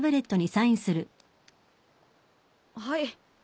はい。